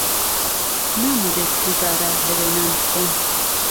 نامەوێت دووبارە لەوێ نان بخۆم.